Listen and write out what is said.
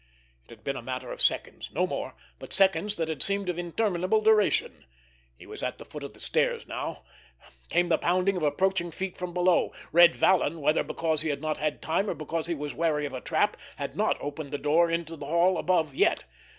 It had been a matter of seconds, no more; but seconds that had seemed of interminable duration. He was at the foot of the stairs now. Came the pound of approaching feet from below. Red Vallon, whether because he had not had time, or because he was wary of a trap, had not opened the door into the hall above yet.